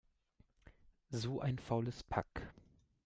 So ein faules Pack!